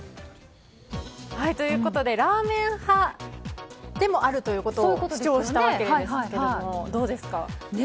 ということでラーメン派でもあるということを主張したわけですがどうですか？